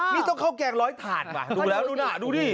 นี่ต้องข้าวแกงร้อยถาดว่ะดูแล้วดูนะดูดิ